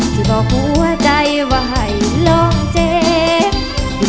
จะบอกหัวใจว่าให้ลองเจ็บ